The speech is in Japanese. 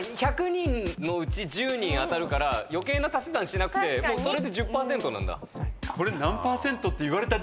１００人のうち１０人当たるから余計な足し算しなくてそれで１０％なんだ。